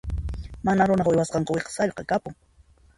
Mana runaq uywasqan quwiqa sallqa kapun.